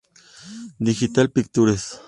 Digital Pictures.